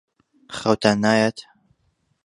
خەوتان نایەت؟